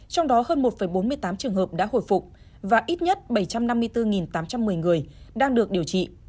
trong đó hơn một bốn mươi tám trường hợp đã hồi phục và ít nhất bảy trăm năm mươi bốn tám trăm một mươi người đang được điều trị